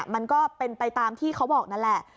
มันก็เป็นไปตามที่เขาบอกนั่นแหละ